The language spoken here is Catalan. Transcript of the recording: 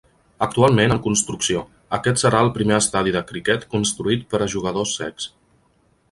Actualment en construcció, aquest serà el primer estadi de criquet construït per a jugadors cecs.